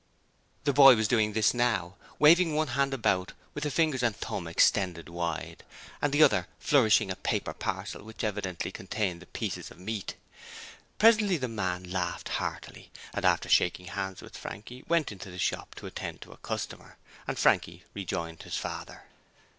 The boy was doing this now, waving one hand about with the fingers and thumb extended wide, and with the other flourishing a paper parcel which evidently contained the pieces of meat. Presently the man laughed heartily and after shaking hands with Frankie went into the shop to attend to a customer, and Frankie rejoined his father.